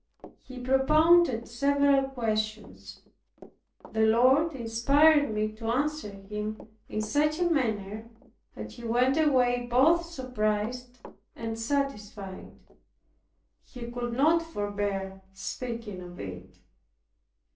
He propounded several questions. The Lord inspired me to answer him in such a manner, that he went away both surprised and satisfied. He could not forbear speaking of it.